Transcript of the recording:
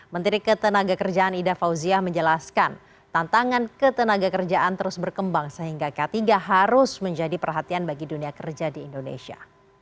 menteri ketenaga kerjaan ida fauziah menjelaskan tantangan ketenaga kerjaan terus berkembang sehingga k tiga harus menjadi perhatian bagi dunia kerja di indonesia